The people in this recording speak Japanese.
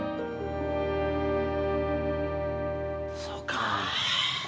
そうか。